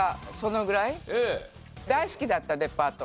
大好きだったデパート。